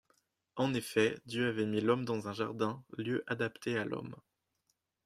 En effet, Dieu avait mis l'homme dans un jardin, lieu adapté à l'homme.